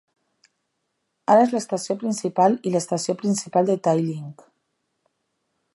Ara és l'estació principal i l'estació principal de Talyllyn.